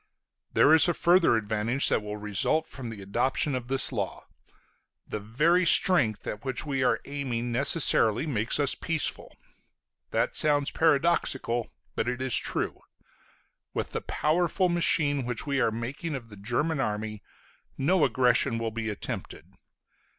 There is a further advantage that will result from the adoption of this law: the very strength at which we are aiming necessarily makes us peaceful. That sounds paradoxical, but it is true. With the powerful machine which we are making of the German army no aggression will be attempted.